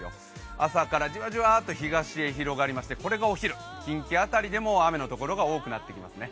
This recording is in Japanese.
朝からじわじわと東へ広がりまして、これがお昼近畿辺りでも雨のところが多くなってきますね。